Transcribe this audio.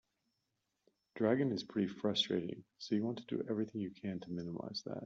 Dragon is pretty frustrating, so you want to do everything you can to minimize that.